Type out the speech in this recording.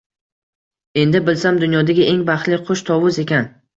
Endi bilsam, dunyodagi eng baxtli qush tovus ekan